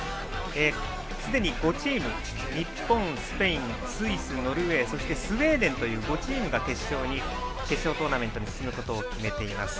すでに５チーム、日本、スペインスイス、ノルウェーそして、スウェーデンという５チームが決勝トーナメントに進むことを決めています。